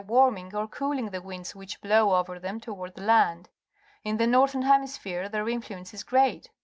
warming or cooling tlie winds which blow over them towartl the lancL In the northern hemisphere their influence is great.